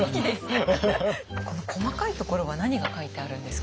この細かいところは何が書いてあるんですか？